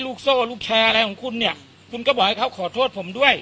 โซ่ลูกแชร์อะไรของคุณเนี่ยคุณก็บอกให้เขาขอโทษผมด้วย